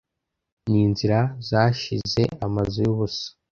ninzira zashize amazu yubusa